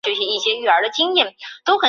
生卒年均不详。